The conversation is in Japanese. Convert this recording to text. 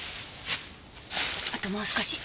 あともう少し。